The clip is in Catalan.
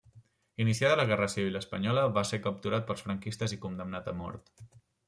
Iniciada la Guerra Civil espanyola va ser capturat pels franquistes i condemnat a mort.